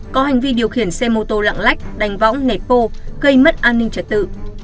có hành vi điều khiển xe mô tô lặng lách đánh võng nẻt vô gây mất an ninh trả tự